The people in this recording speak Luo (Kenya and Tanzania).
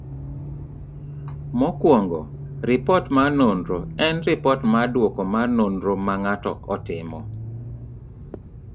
Mokuongo, ripot mar nonro en ripot mar duoko mar nonro ma ng'ato otimo.